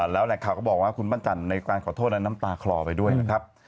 แล้วแหล่งข่าวก็บอกว่าคุณปั้นจันทร์ในการขอโทษและน้ำตาคลอไปด้วยนะครับ